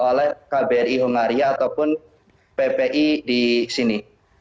biasanya dilakukan oleh kbri hongaria ataupun ppi di sini